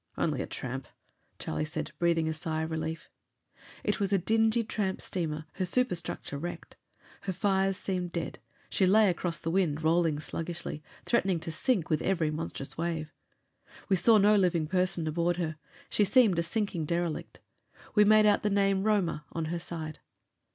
"Only a tramp," Charlie said, breathing a sigh of relief. It was a dingy tramp steamer, her superstructure wrecked. Her fires seemed dead. She lay across the wind, rolling sluggishly, threatening to sink with every monstrous wave. We saw no living person aboard her; she seemed a sinking derelict. We made out the name Roma on her side.